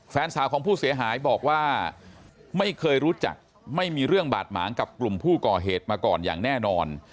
แฟนสาวของผู้เสียหายบอกว่าไม่เคยรู้จักไม่มีเรื่องบาดหมางกับกลุ่มผู้ก่อเหตุมาก่อนอย่างแน่นอน